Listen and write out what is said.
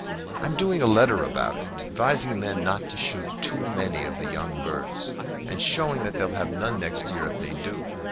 "I'm doing a letter about it, advising men not to shoot too many of the young birds, and showing that they'll have none next year if they do.